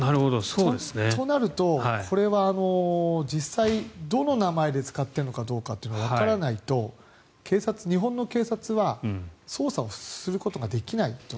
となると、これは実際どの名前で使っているのかどうかがわからないと日本の警察は捜査をすることができない。